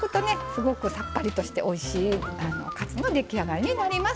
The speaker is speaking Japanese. すごくさっぱりとしておいしいカツの出来上がりになります。